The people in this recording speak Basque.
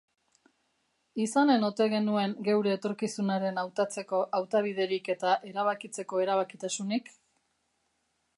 Izanen ote genuen geure etorkizunaren hautatzeko hautabiderik eta erabakitzeko erabakitasunik...?